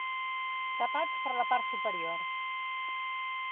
Tapats per la part superior.